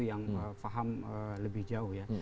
yang faham lebih jauh ya